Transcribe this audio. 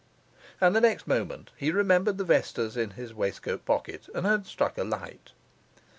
And the next moment he remembered the vestas in his waistcoat pocket and had struck a light.